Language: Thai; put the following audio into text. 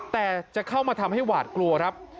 แต่จะเข้ามาทำให้หวาดกลัวครับ